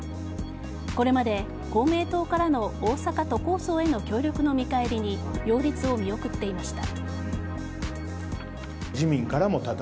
これまで公明党からの大阪都構想への協力の見返りに擁立を見送っていました。